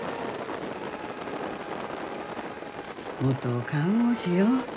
元看護師よ。